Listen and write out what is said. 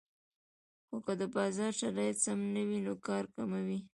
خو که د بازار شرایط سم نه وو نو کار کموي